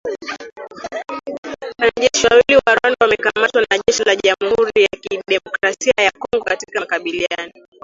Wanajeshi wawili wa Rwanda wamekamatwa na jeshi la Jamuhuri ya Kidemokrasia ya Kongo katika makabiliano